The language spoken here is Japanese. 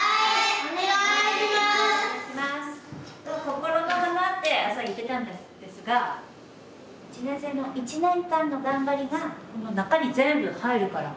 心の花って朝言ってたんですが１年生の１年間の頑張りがこの中に全部入るから。